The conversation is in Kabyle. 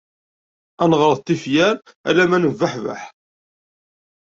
Ad neɣret tifyar alamma nebbeḥbeḥ.